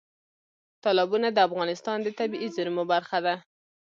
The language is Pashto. تالابونه د افغانستان د طبیعي زیرمو برخه ده.